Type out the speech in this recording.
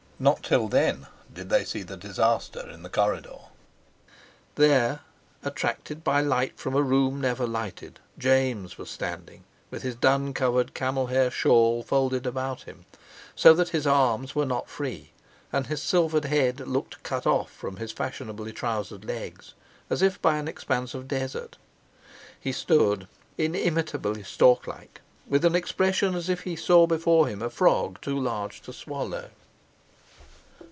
Not till then did they see the disaster in the corridor. There, attracted by light from a room never lighted, James was standing with his duncoloured camel hair shawl folded about him, so that his arms were not free and his silvered head looked cut off from his fashionably trousered legs as if by an expanse of desert. He stood, inimitably stork like, with an expression as if he saw before him a frog too large to swallow.